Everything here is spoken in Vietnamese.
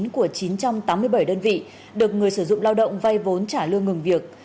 của chín trăm tám mươi bảy đơn vị được người sử dụng lao động vay vốn trả lương ngừng việc